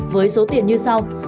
với số tiền như sau